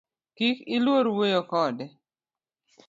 Kik iluor wuoyo kode